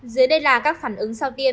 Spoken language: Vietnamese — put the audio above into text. dưới đây là các phản ứng sau tiêm